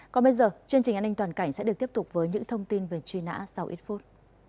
còn bây giờ chương trình an ninh toàn cảnh sẽ được tiếp tục với những thông tin về truy nã sau ít phút